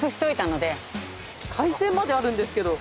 海鮮まであるんですけど。